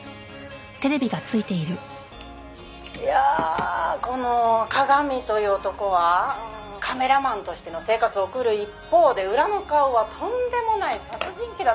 「いやあこの加賀美という男はカメラマンとしての生活を送る一方で裏の顔はとんでもない殺人鬼だったわけじゃないですか」